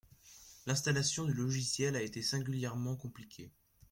L’installation du logiciel a été singulièrement compliquée.